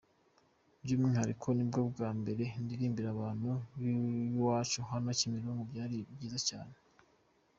By’umwihariko nibwo bwa mbere ndirimbira abantu b’iwacu hano Kimironko, byari byiza cyane.